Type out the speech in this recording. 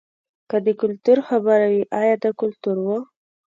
که د کلتور خبره وي ایا دا کلتور و.